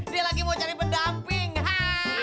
dia lagi mau cari pendamping